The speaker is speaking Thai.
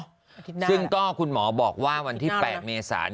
อาทิตย์หน้าซึ่งก็คุณหมอบอกว่าวันที่๘เมษา